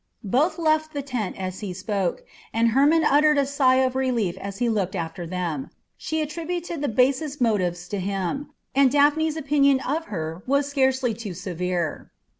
Both left the tent as he spoke, and Hermon uttered a sigh of relief as he looked after them. She attributed the basest motives to him, and Daphne's opinion of her was scarcely too severe.